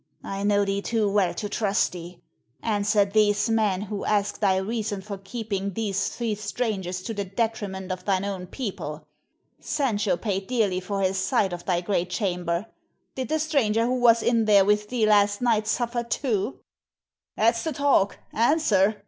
I know thee too well to trust thee. Answer these men, who ask thy reason for keeping these three strangers to the detriment of thine own people. Sancho paid dearly for his sight of thy great chamber. Did the stranger who was in there with thee last night suffer, too?" "That's the talk; answer!"